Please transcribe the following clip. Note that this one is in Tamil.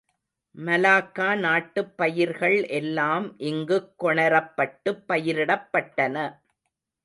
மலாக்கா நாட்டுப் பயிர்கள் எல்லாம் இங்குக் கொணரப்பட்டுப் பயிரிடப்பட்டன.